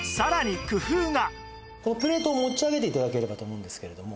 このプレートを持ち上げて頂ければと思うんですけれども。